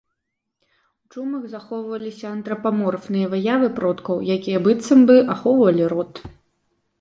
У чумах захоўваліся антрапаморфныя выявы продкаў, якія быццам бы ахоўвалі род.